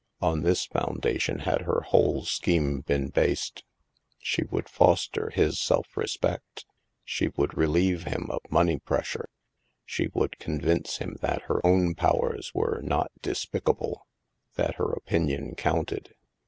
On this foundation had her whole scheme been based. She would foster his self respect, she would relieve him of money pressure, she would convince him that her own powers were not despicable — that her opinion counted.